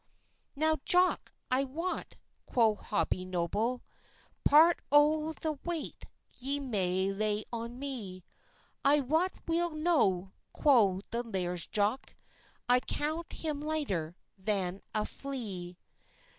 "Now, Jock, I wat," quo Hobie Noble, "Part o the weight ye may lay on me," "I wat weel no," quo the Laird's Jock "I count him lighter than a flee."